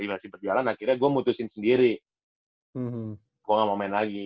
akhirnya gue mutusin sendiri gue gak mau main lagi